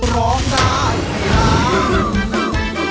ร้องร้องร้อง